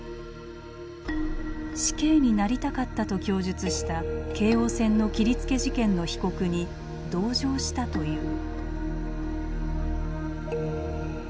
「死刑になりたかった」と供述した京王線の切りつけ事件の被告に同情したという。